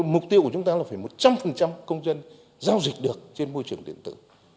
mục tiêu của chúng ta là phải một trăm linh công dân giao dịch được trên môi trường điện tử